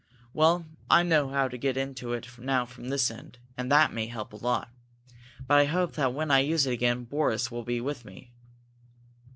Well, I know how to get into it now from this end, and that may help a lot. But I hope that when I use it again Boris will be with me."